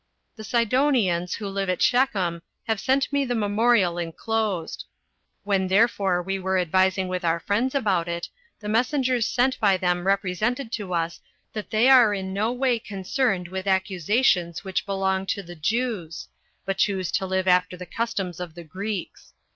The Sidonians, who live at Shechem, have sent me the memorial enclosed. When therefore we were advising with our friends about it, the messengers sent by them represented to us that they are no way concerned with accusations which belong to the Jews, but choose to live after the customs of the Greeks.